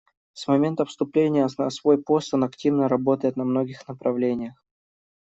С момента вступления на свой пост он активно работает на многих направлениях.